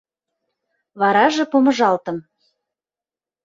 Вараже помыжалтым.